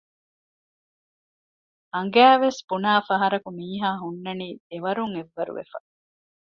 އަނގައިވެސް ބުނާފަހަރަކު މީހާހުންނާނީ ދެވަރުން އެއްވަރު ވެފަ